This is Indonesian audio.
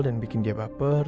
dan bikin dia baper